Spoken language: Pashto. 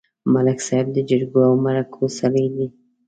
ملک صاحب د جرګو او مرکو سړی دی.